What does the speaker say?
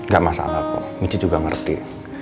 gak masalah kok michi juga ngerti